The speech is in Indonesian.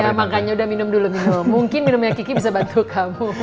iya makanya udah minum dulu mungkin minumnya kiki bisa bantu kamu